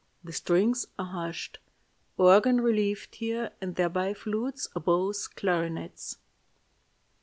The strings are hushed. Organ relieved here and there by flutes, oboes, clarinets.